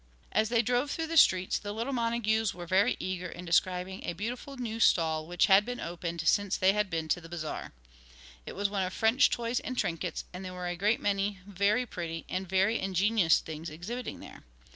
As they drove through the streets the little Montagues were very eager in describing a beautiful new stall which had been opened since they had been to the Bazaar. It was one of French toys and trinkets, and there were a great many very pretty and very ingenious things exhibiting there.